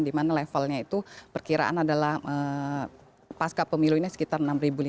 di mana levelnya itu perkiraan adalah pasca pemilu ini sekitar enam lima ratus